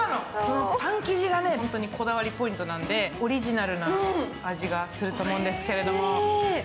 パン生地が本当にこだわりポイントなのでオリジナルな味がすると思うんですけれども。